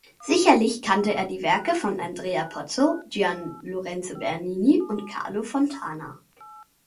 Sicherlich kannte er die Werke von Andrea Pozzo, Gian Lorenzo Bernini und Carlo Fontana.